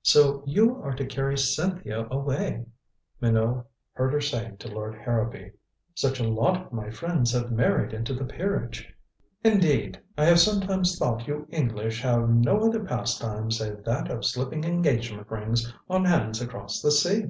"So you are to carry Cynthia away?" Minot heard her saying to Lord Harrowby. "Such a lot of my friends have married into the peerage. Indeed, I have sometimes thought you English have no other pastime save that of slipping engagement rings on hands across the sea."